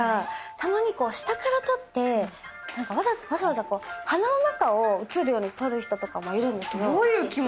たまに下から撮ってわざわざ鼻の中を写るように撮る人もいるんです。